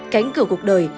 cánh cửa cuộc đời